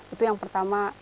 itu yang pertama